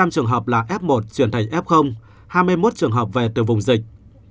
một mươi trường hợp là f một chuyển thành f hai mươi một trường hợp về từ vùng dịch